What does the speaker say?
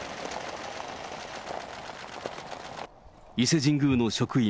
伊勢神宮の職員